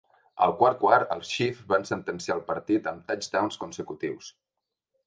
Al quart quart, els Chiefs van sentenciar el partit amb touchdowns consecutius.